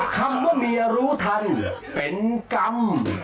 คำว่าเมียรู้ทันเป็นกรรม